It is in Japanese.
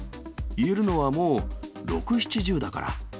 言えるのはもう、６、７０だから。